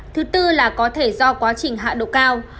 thứ tư là có thể do quá trình hạ độ cao